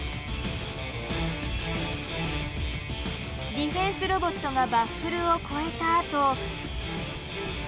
ディフェンスロボットがバッフルを越えたあと。